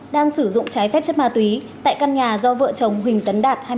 đang sử dụng trái phép chất ma túy tại căn nhà do vợ chồng huỳnh tấn đạt